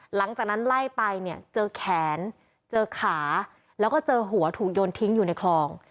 หลังจากนั้นไล่ไปเนี่ยเจอแขนเจอขาแล้วก็เจอหัวถูกโยนทิ้งอยู่ในคลอง